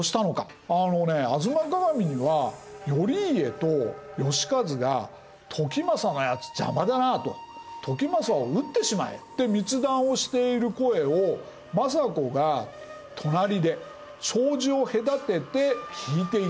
「吾妻鏡」には「頼家と能員が『時政のやつ邪魔だなあ』と『時政を討ってしまえ』って密談をしている声を政子が隣で障子を隔てて聞いていた。